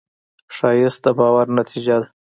ښایست د باور نتیجه ده